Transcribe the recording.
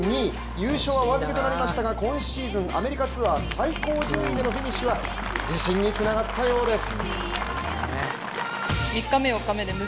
優勝はお預けとなりましたが今シーズンアメリカツアー、最高順位でのフィニッシュは自信につながったようです。